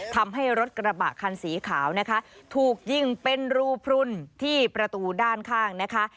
ทำให้รถกระบะคันสีขาวนะคะถูกยิงเป็นรูพลุนที่ประตูด้านข้างนะคะ